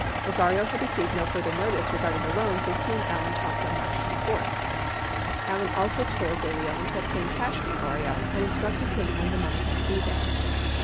63 Ogarrio had received no further notice regarding the loan since he and Allen talked on March 24. Allen also told De Leon to obtain cash from Ogarrio and instructed him when the money had to be there.